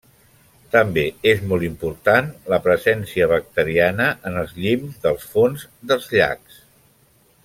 També és molt important la presència bacteriana en els llims del fons dels llacs.